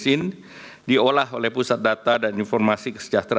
ini juga diberlakukan januari dua ribu dua puluh empat